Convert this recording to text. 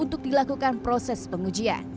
untuk dilakukan proses pengujian